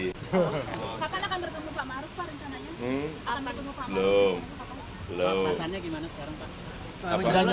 kapan akan bertemu pak maruf pak rencananya